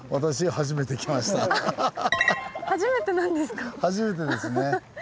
初めてですね。